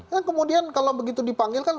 kan kemudian kalau begitu dipanggil kan